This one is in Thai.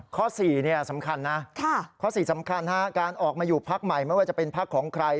ข้อ๔สำคัญนะข้อ๔สำคัญการออกมาอยู่พักใหม่ไม่ว่าจะเป็นพักของใคร